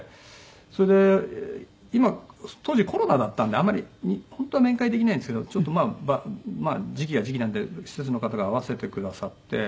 それで今当時コロナだったんであんまり本当は面会できないんですけどちょっとまあ時期が時期なので施設の方が会わせてくださって。